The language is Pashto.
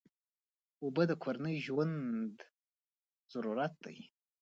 اوبه د کورنۍ ژوند ضرورت دی.